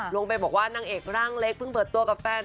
ลงไปบอกว่านางเอกร่างเล็กเพิ่งเปิดตัวกับแฟน